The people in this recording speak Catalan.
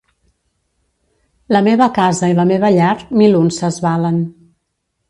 La meva casa i la meva llar mil unces valen.